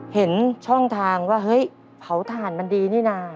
เห็นช่องทางว่าเฮ้ยเผาถ่านมันดีนี่นะ